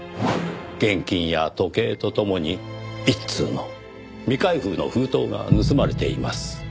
現金や時計と共に一通の未開封の封筒が盗まれています。